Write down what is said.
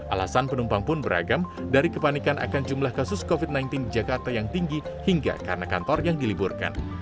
alasan penumpang pun beragam dari kepanikan akan jumlah kasus covid sembilan belas di jakarta yang tinggi hingga karena kantor yang diliburkan